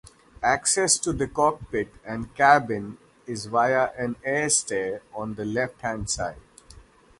Access to the cockpit and cabin is via an airstair on the left-hand side.